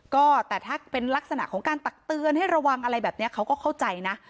ก็แต่ถ้าเป็นลักษณะของการตักเตือนให้ระวังอะไรแบบนี้เขาก็เข้าใจนะ